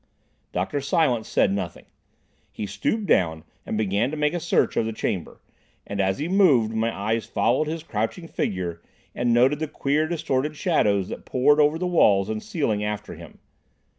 Dr. Silence said nothing. He stooped down and began to make a search of the chamber, and as he moved, my eyes followed his crouching figure and noted the queer distorted shadows that poured over the walls and ceiling after him.